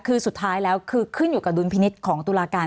คือสุดท้ายขึ้นอยู่กับดุลพินิษย์ของตูลการ